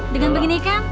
dengan begini kan